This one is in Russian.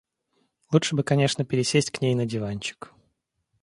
Лучше бы конечно пересесть к ней на диванчик.